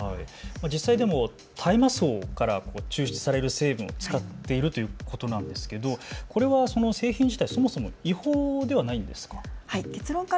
実際、大麻草から抽出される成分を使っているということなんですけれどこれは製品自体、そもそも違法ではないのですか。